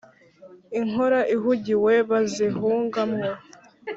inkora ihungiwe bazihunga mwo.